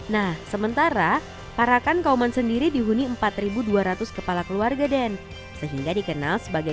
nah sementara parakan kauman sendiri dihuni empat ribu dua ratus kepala keluarga den sehingga dikenal sebagai